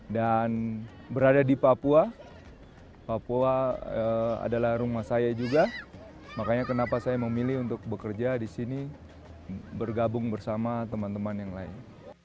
dan berada di papua papua adalah rumah saya juga makanya kenapa saya memilih untuk bekerja di sini bergabung bersama teman teman yang lain